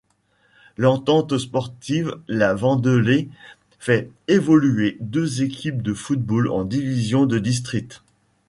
L'Entente sportive La Vendelée fait évoluer deux équipes de football en divisions de district.